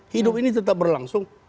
hidup ini tetap berlangsung